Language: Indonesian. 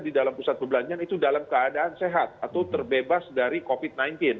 di dalam pusat perbelanjaan itu dalam keadaan sehat atau terbebas dari covid sembilan belas